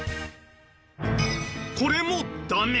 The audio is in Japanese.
これもダメ。